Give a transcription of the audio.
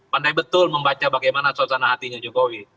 pandai betul membaca bagaimana suasana hatinya jokowi